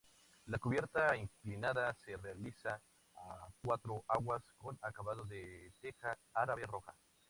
La cubierta inclinada se realiza a cuatro aguas con acabado de teja árabe roja.